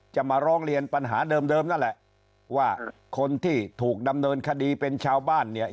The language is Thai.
จะมาร้องเรียนปัญหาเดิมนั่นแหละว่าคนที่ถูกดำเนินคดีเป็นชาวบ้านเนี่ย